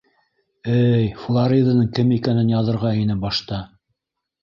Эй, Флориданың кем икәнен яҙырға ине башта!